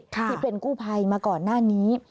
ที่เป็นกู้ภัยมาก่อนหน้านี้